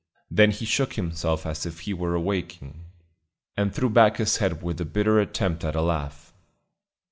Then he shook himself as if he were awaking, and threw back his head with a bitter attempt at a laugh.